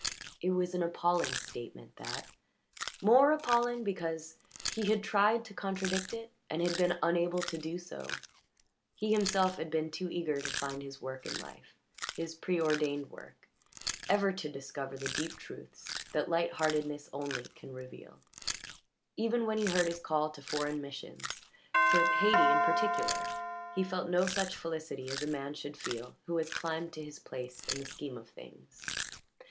It was an appalling statement, that more appalling because he had tried to contradict it and had been unable to do so. He himself had been too eager to find his work in life his pre ordained work ever to discover the deep truths that light heartedness only can reveal; even when he heard his call to foreign missions to Hayti, in particular he felt no such felicity as a man should feel who has climbed to his place in the scheme of things.